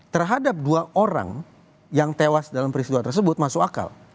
terhadap dua orang yang tewas dalam peristiwa tersebut masuk akal